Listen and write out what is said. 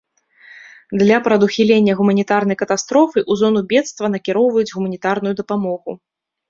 Для прадухілення гуманітарнай катастрофы ў зону бедства накіроўваюць гуманітарную дапамогу.